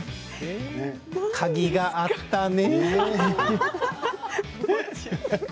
鍵があったね。